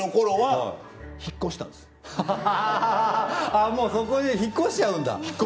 ああもうそこ引っ越しちゃうんだ。